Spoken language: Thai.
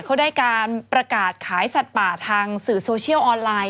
เขาได้การประกาศขายสัตว์ป่าทางสื่อโซเชียลออนไลน์